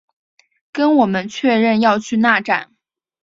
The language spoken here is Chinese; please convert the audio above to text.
跟我们确认要去那站